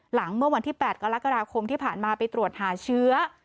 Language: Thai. เมื่อวันที่๘กรกฎาคมที่ผ่านมาไปตรวจหาเชื้อ